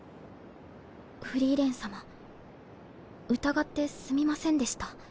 フリーレン様疑ってすみませんでした。